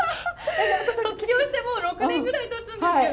卒業してもう６年ぐらいたつんですけど。